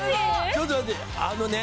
ちょっと待ってあのね・